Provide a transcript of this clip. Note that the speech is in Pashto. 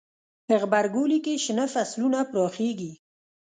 غبرګولی کې شنه فصلونه پراخیږي.